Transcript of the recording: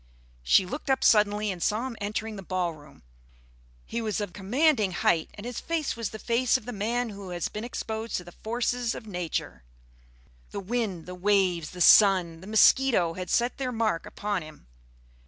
She looked up suddenly and saw him entering the ballroom. He was of commanding height and his face was the face of the man who has been exposed to the forces of Nature. The wind, the waves, the sun, the mosquito had set their mark upon him.